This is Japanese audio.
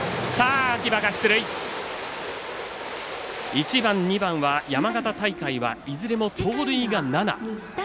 １番、２番は山形大会はいずれも盗塁が７。